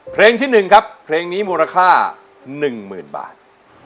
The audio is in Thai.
เพลงที่๑ครับเพลงนี้มูลค่า๑๐๐๐บาท